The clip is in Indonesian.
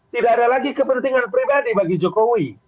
tidak ada lagi kepentingan pribadi bagi jokowi